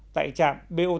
tại trạm bot phà lại hải dương